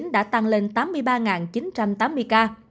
đã tăng lên tám mươi ba chín trăm tám mươi ca